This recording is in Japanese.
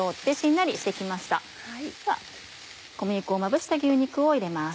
では小麦粉をまぶした牛肉を入れます。